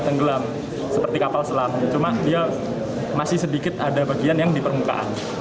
tenggelam seperti kapal selam cuma dia masih sedikit ada bagian yang di permukaan